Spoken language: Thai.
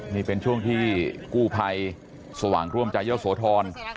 นี่เป็นช่วงที่กู้ภัยสว่างร่วมใจเยอะโสธร